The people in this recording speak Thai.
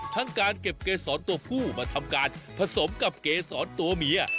การเก็บเกษรตัวผู้มาทำการผสมกับเกษรตัวเมีย